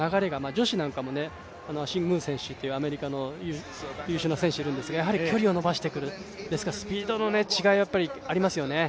女子なんかもアメリカの優秀な選手がいるんですがやはり距離を延ばしてくるですが、スピードの違いはありますよね。